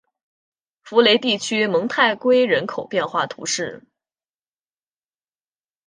福雷地区蒙泰圭人口变化图示